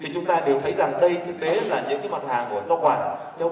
thì chúng ta đều thấy rằng đây thực tế là những mặt hàng của rau quả theo vụ mùa